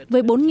với bốn đồng